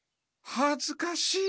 はははずかしい！